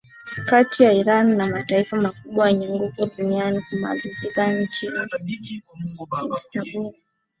kati ya iran na mataifa makubwa yenye nguvu duniani kumalizika mjini istanbul